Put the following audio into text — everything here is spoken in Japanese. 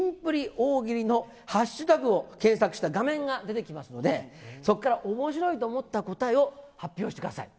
大喜利のハッシュタグを検索した画面が出てきますので、そこからおもしろいと思った答えを発表してください。